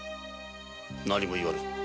何も言わぬ。